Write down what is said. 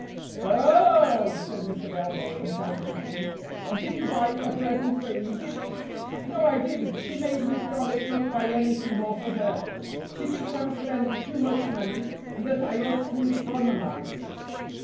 "O—o—h!" said Mr. Belmore intelligently, "and did you buy a present for Edith?" "No, I didn't. She made me promise not to buy anything more for her; she thinks I'm spending too much money, and that I ought to economize."